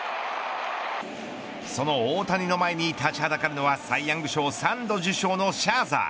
その大谷の前に立ちはだかるのはサイ・ヤング賞３度受賞のシャーザー